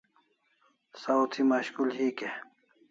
Saw thi mashkul hik e?